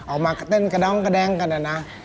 ออกมาเต้นกระด้องกระแด้งกันอะนะ